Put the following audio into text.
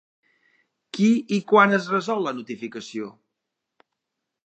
Qui i quan es resol la notificació?